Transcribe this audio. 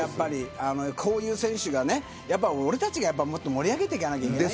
こういう選手が俺たちがもっと盛り上げていかないと。